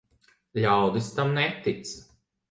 Ļaudis tam netic.